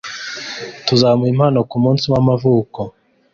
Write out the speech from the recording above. Tuzamuha impano kumunsi w'amavuko.